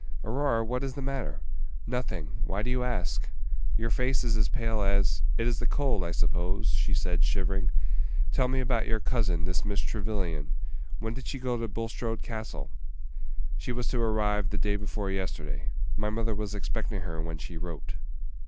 "Aurora, what is the matter?" "Nothing. Why do you ask?" "Your face is as pale as " "It is the cold, I suppose," she said, shivering. "Tell me about your cousin, this Miss Trevyllian; when did she go to Bulstrode Castle?" "She was to arrive the day before yesterday. My mother was expecting her when she wrote."